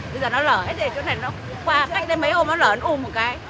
bây giờ nó lở hết để chỗ này nó qua cách đây mấy hôm nó lở nó um một cái